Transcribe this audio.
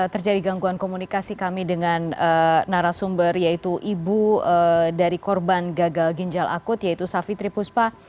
terjadi gangguan komunikasi kami dengan narasumber yaitu ibu dari korban gagal ginjal akut yaitu safitri puspa